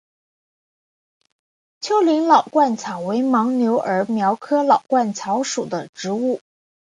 丘陵老鹳草为牻牛儿苗科老鹳草属的植物。